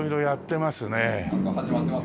なんか始まってます。